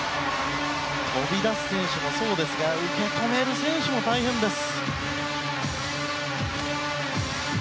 飛び出す選手もそうですが受け止める選手も大変です。